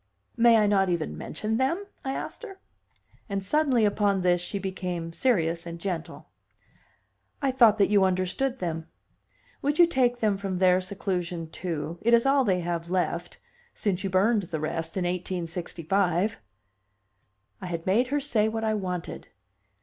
"May I not even mention them?" I asked her. And suddenly upon this she became serious and gentle. "I thought that you understood them. Would you take them from their seclusion, too? It is all they have left since you burned the rest in 1865." I had made her say what I wanted!